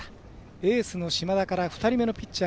エースの島田から２人目のピッチャー